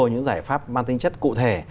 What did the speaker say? những giải pháp mang tính chất cụ thể